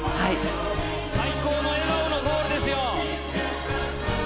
最高の笑顔のゴールですよ。